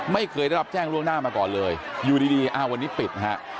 ไม่เคยได้รับแจ้งล่วงหน้ามาก่อนเลยอยู่ดีอ้าววันนี้ปิดฮะ